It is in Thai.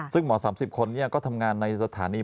ซึ่งหมอ๓๐คนก็ทำงานในสถานี